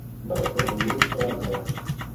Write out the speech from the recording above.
Ba ǹ kpɛ̃ bù wii swa gawa,